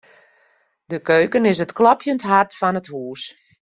De keuken is it klopjend hart fan it hús.